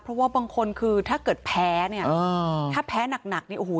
เพราะว่าบางคนคือถ้าเกิดแพ้เนี่ยถ้าแพ้หนักหนักนี่โอ้โห